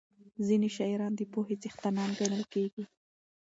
ځینې شاعران د پوهې څښتنان ګڼل کېږي.